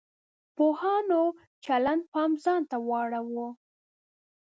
پوهانو چلند پام ځان ته واړاوه.